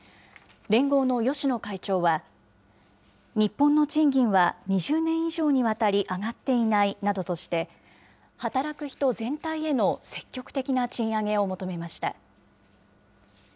連合の芳野会長は、日本の賃金は、２０年以上にわたり上がっていないなどとして、働く人全体への積極的な賃上げを求めました。